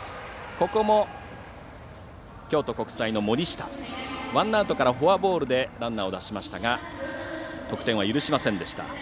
ここも京都国際の森下、ワンアウトからフォアボールでランナーを出しましたが得点は許しませんでした。